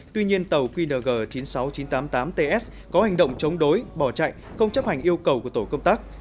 tuy nhiên tàu qng chín mươi sáu nghìn chín trăm tám mươi tám ts có hành động chống đối bỏ chạy không chấp hành yêu cầu của tổ công tác